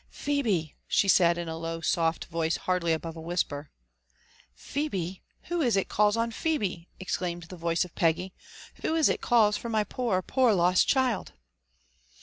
Phebe 1" she said in a low soft voice hardly above a whbp^. '* Phebe I — who is it calls on Phebe?*' exclaimed the voice of Peggy ;who is it calls for my poor, poor lost child?"